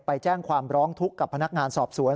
ไปแจ้งความร้องทุกข์กับพนักงานสอบสวน